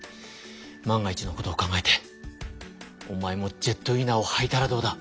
万が一のことを考えておまえもジェットウィナーをはいたらどうだ？